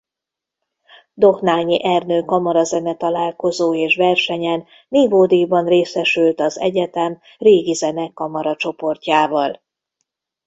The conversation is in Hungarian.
Dohnányi Ernő Kamarazene Találkozó és Versenyen nívódíjban részesült az egyetem régizene-kamaracsoportjával.